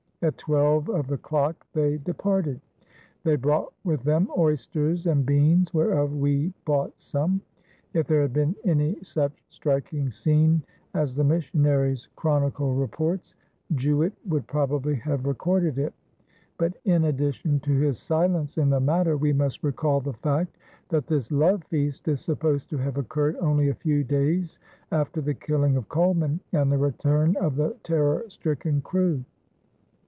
At twelve of the clocke they departed. They brought with them oysters and beanes whereof we bought some." If there had been any such striking scene as the missionary's chronicle reports, Juet would probably have recorded it; but in addition to his silence in the matter we must recall the fact that this love feast is supposed to have occurred only a few days after the killing of Colman and the return of the terror stricken crew.